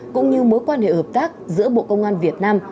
cũng như mối quan hệ hợp tác giữa bộ công an việt nam